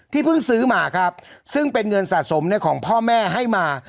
เพิ่งซื้อมาครับซึ่งเป็นเงินสะสมของพ่อแม่ให้มา